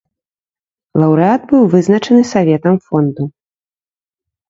Лаўрэат быў вызначаны саветам фонду.